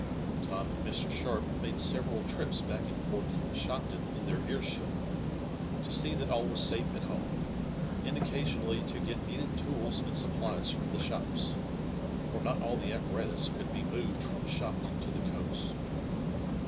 Tom and Mr. Sharp made several trips back and forth from Shopton in their airship, to see that all was safe at home and occasionally to get needed tools and supplies from the shops, for not all the apparatus could be moved from Shopton to the coast.